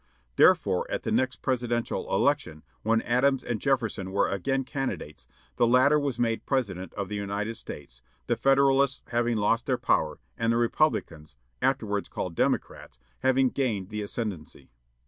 Therefore, at the next presidential election, when Adams and Jefferson were again candidates, the latter was made President of the United States, the Federalists having lost their power, and the Republicans afterwards called Democrats having gained the ascendancy.